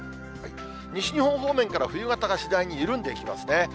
西日本方面から冬型が次第に緩んでいきますね。